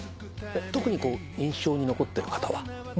特にこう印象に残ってる方は？